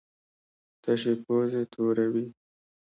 تشې پوزې توروي.